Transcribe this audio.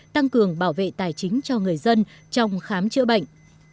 tăng cường bảo vệ tài chính cho người dân trong khám chữa bệnh